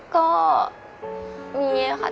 ก็มีค่ะ